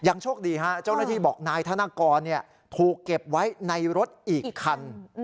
โชคดีฮะเจ้าหน้าที่บอกนายธนกรถูกเก็บไว้ในรถอีกคัน